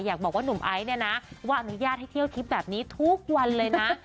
อยากบอกว่าหนุ่มไอซ์เนี่ยนะว่าอนุญาตให้เที่ยวทิพย์แบบนี้ทุกวันเลยนะ